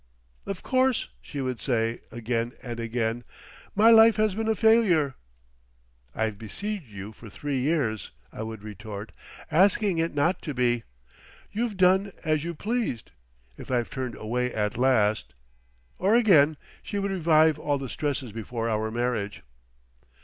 "Of course," she would say again and again, "my life has been a failure." "I've besieged you for three years," I would retort "asking it not to be. You've done as you pleased. If I've turned away at last—" Or again she would revive all the stresses before our marriage.